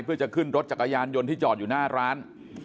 เพื่อจะขึ้นรถจักรยานยนต์ที่จอดอยู่หน้าร้าน